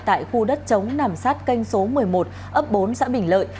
tại khu đất chống nằm sát kênh số một mươi một ấp bốn xã bình lợi